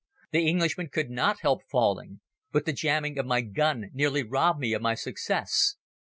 The Englishman could not help falling. But the jamming of my gun nearly robbed me of my success.